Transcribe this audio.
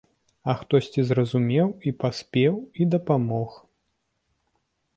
А хтосьці зразумеў і паспеў, і дапамог.